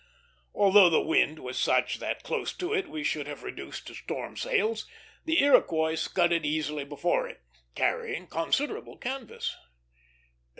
Although the wind was such that close to it we should have been reduced to storm sails, the Iroquois scudded easily before it, carrying considerable canvas.